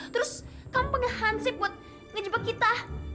terus kamu pengen sih buat ngejebak kita